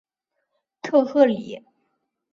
特赫里。